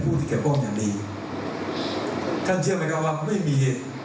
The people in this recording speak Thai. พูดถึงเกี่ยวพร่องอย่างนี้ท่านเชื่อไหมครับว่าไม่มี